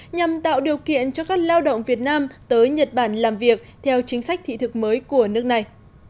nhằm tạo điều kiện cho các lao động việt nam tới nhật bản làm việc theo chính sách thị thực mới của nước này